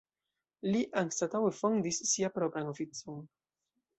Li anstataŭe fondis sian propran oficon.